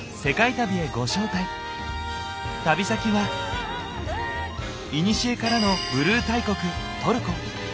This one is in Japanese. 旅先はいにしえからのブルー大国トルコ。